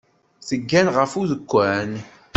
Teggan ɣef udekkan.